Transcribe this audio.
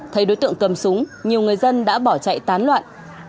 thấy đối tượng cầm súng nhiều người dân đã bỏ chạy tán loạn